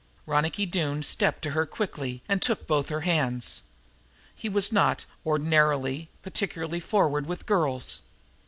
Ronicky Doone stepped to her quickly and took both her hands. He was not, ordinarily, particularly forward with girls.